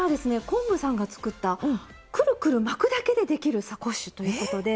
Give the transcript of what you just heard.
昆布さんが作ったくるくる巻くだけでできるサコッシュということで。